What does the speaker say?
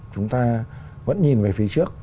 chúng ta vẫn nhìn về phía trước